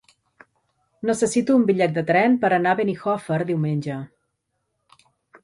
Necessito un bitllet de tren per anar a Benijòfar diumenge.